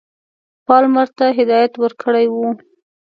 پالمر ته هدایت ورکړی وو.